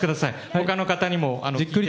ほかの方にも。